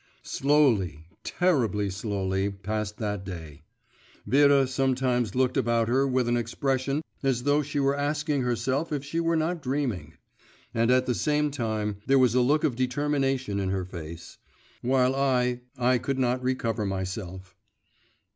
Slowly, terribly slowly, passed that day. Vera sometimes looked about her with an expression as though she were asking herself if she were not dreaming. And at the same time there was a look of determination in her face; while I … I could not recover myself.